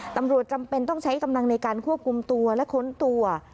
จำเป็นต้องใช้กำลังในการควบคุมตัวและค้นตัว